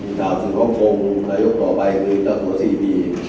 มีเวลา๑๒พรมระยกต่อไปคือเกิดต่อ๔ปี